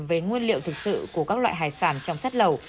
với nguyên liệu thực sự của các loại hải sản trong xét lẩu